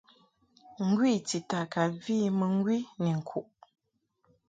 Ngwi tita ka vi mɨŋgwi ni ŋkuʼ.